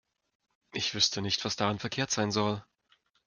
Ich wüsste nicht, was daran verkehrt sein soll.